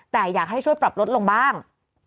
แต่อยากให้ช่วยปรับลดลงบ้าง